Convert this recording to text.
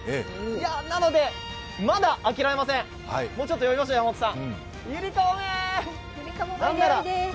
なので、まだ諦めません、もうちょっと呼びますよ、山本さん。